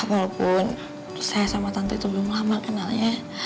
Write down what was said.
walaupun saya sama tante itu belum lama kenalnya